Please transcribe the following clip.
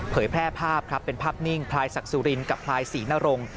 แพร่ภาพครับเป็นภาพนิ่งพลายศักดิ์สุรินกับพลายศรีนรงค